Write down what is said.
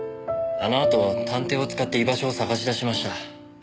あのあと探偵を使って居場所を捜し出しました。